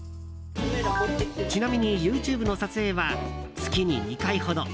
ちなみに、ＹｏｕＴｕｂｅの撮影は月に２回ほど。